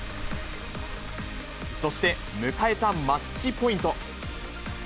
そして迎えたマッチポイント。